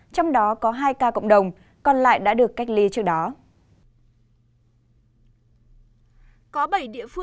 trong đó có hai ca cộng đồng còn lại đã được cách ly trước đó